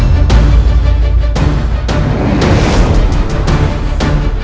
kehukuman memprotok buzz set